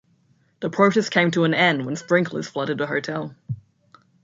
The protest came to an end when sprinklers flooded the hotel.